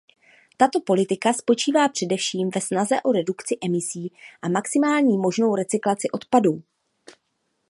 Tato politika spočívá především ve snaze o redukci emisí a maximální možnou recyklaci odpadů.